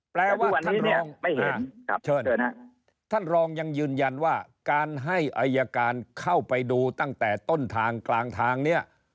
แปลว่าท่านรองเชิญท่านรองยังยืนยันว่าการให้อายการเข้าไปดูตั้งแต่ต้นทางกลางทางเนี่ย